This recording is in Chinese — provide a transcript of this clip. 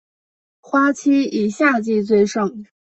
花期以夏季最盛。